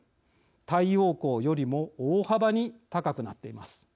太陽光よりも大幅に高くなっています。